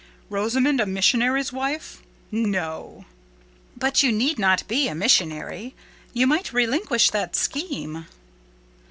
Rosamond a missionary's wife? No!" "But you need not be a missionary. You might relinquish that scheme."